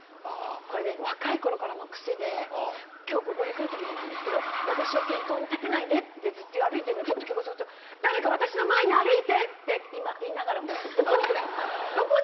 若いころからの癖で今日ここに来る時もなんですけど私を先頭に立てないでってずっと歩いてるのに、気が付くとふっと気が付くと誰か、私の前に歩いて！って言いながらもう。